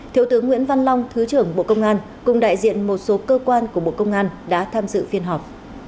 thiếu tướng nguyễn văn long thứ trưởng bộ công an cùng đại diện một số cơ quan của bộ công an đã tham dự phiên họp